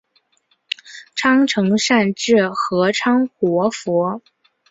仓成善智合仓活佛。